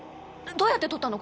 どうやって撮ったの？